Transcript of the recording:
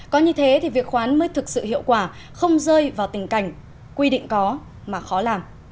có như thế thì việc khoán mới thực sự hiệu quả không rơi vào tình cảnh quy định có mà khó làm